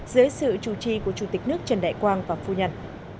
dưới sự chủ trì của chủ tịch nước trần đại quang và phu nhân